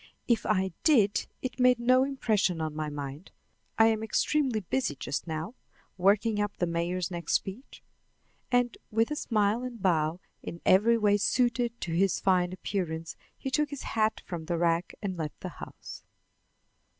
"If I did, it made no impression on my mind. I am extremely busy just now, working up the mayor's next speech." And with a smile and bow in every way suited to his fine appearance, he took his hat from the rack and left the house.